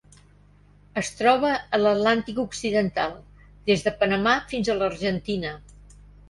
Es troba a l'Atlàntic occidental: des de Panamà fins a l'Argentina.